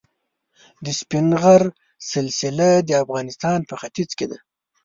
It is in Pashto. د سپین غر سلسله د افغانستان په ختیځ کې ده.